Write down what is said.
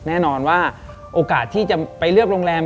แน่นอนว่าโอกาสที่จะไปเลือกโรงแรม